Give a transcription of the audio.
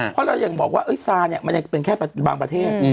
เพราะเรายังบอกว่าซาเนี่ยมันยังเป็นแค่บางประเทศ